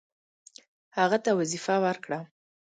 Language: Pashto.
هغه ته وظیفه ورکړه.